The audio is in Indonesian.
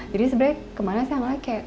jadi sebenarnya kemana saya ngerasanya